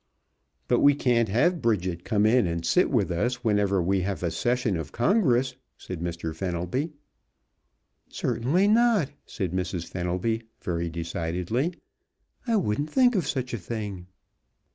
"But we can't have Bridget come in and sit with us whenever we have a session of congress," said Mr. Fenelby. "Certainly not!" said Mrs. Fenelby, very decidedly. "I wouldn't think of such a thing!"